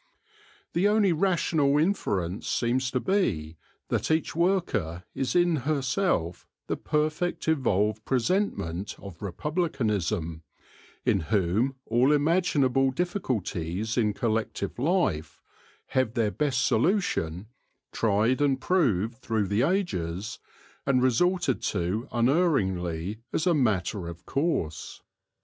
The only rational inference seems to be that each worker is in herself the perfect evolved presentment of republicanism, in whom all imaginable difficulties in collective life have their best solution, tried and proved through the ages, and resorted to unerringly as a matter of course.